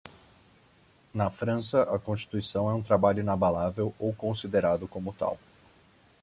Na França, a constituição é um trabalho inabalável ou considerado como tal.